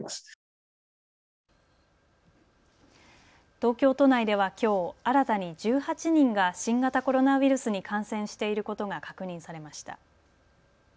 東京都内ではきょう、新たに１８人が新型コロナウイルスに感染していることが確認されました。